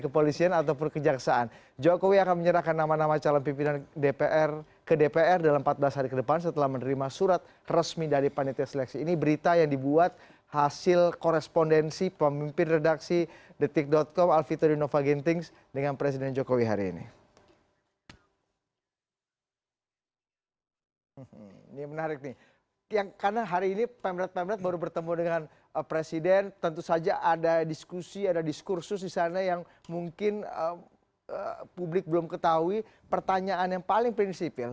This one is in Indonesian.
pertanyaan yang paling prinsipil